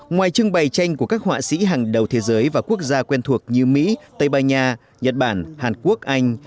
ngoài trưng bày tranh của các họa sĩ hàng đầu thế giới và quốc gia quen thuộc như mỹ tây ban nha nhật bản hàn quốc anh